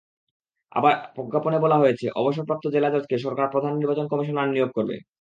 আবার প্রজ্ঞাপনে বলা হয়েছে, অবসরপ্রাপ্ত জেলা জজকে সরকার প্রধান নির্বাচন কমিশনার নিয়োগ করবে।